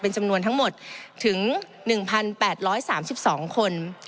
จำนวนทั้งหมดถึง๑๘๓๒คน